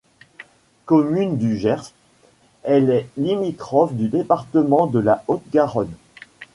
Commune du Gers, elle est limitrophe du département de la Haute-Garonne.